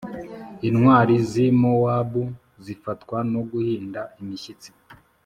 intwari z’i mowabu zifatwa no guhinda imishyitsi,